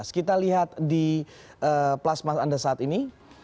kita lihat di plasma anda saat ini